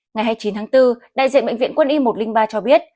ngày hai mươi chín tháng bốn đại diện bệnh viện quân y một trăm linh ba cho biết